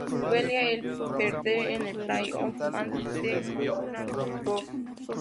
Bundesliga al perder en el "play-off" ante Fortuna Düsseldorf.